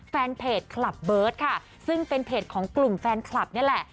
แฟนเพจคลับเบิร์ตค่ะซึ่งเป็นเพจของกลุ่มแฟนคลับนี่แหละ